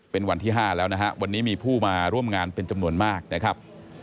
เป็นวันที่๕แล้วนะฮะวันนี้มีผู้มาร่วมงานเป็นจำนวนมากนะครับ